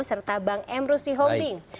serta bang emru siholing